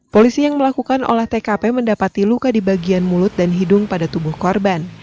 polisi yang melakukan olah tkp mendapati luka di bagian mulut dan hidung pada tubuh korban